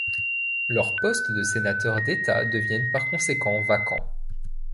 Leurs postes de sénateurs d'État deviennent par conséquent vacants.